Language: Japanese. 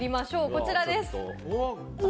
こちらです。